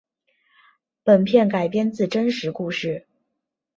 本片改编自真实故事。